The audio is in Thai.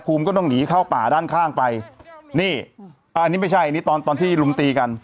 ก็ต้องหนีเข้าป่าด้านข้างไปนี่อันนี้ไม่ใช่อันนี้ตอนตอนที่ลุมตีกัน